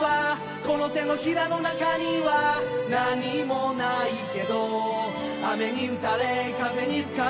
「この手のひらの中には何もないけど」「雨に打たれ風に吹かれ」